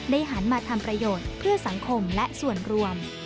หันมาทำประโยชน์เพื่อสังคมและส่วนรวม